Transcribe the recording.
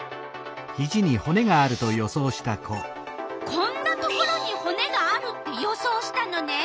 こんなところにほねがあるって予想したのね。